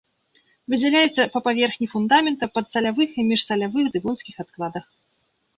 Выдзяляецца па паверхні фундамента, падсалявых і міжсалявых дэвонскіх адкладах.